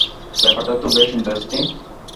ব্যাপারটা তো বেশ ইন্টারেস্টিং!